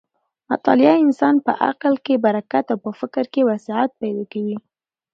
مطالعه د انسان په عقل کې برکت او په فکر کې وسعت پیدا کوي.